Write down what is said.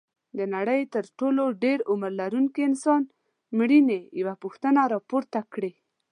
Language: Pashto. د نړۍ تر ټولو د ډېر عمر لرونکي انسان مړینې یوه پوښتنه راپورته کړې.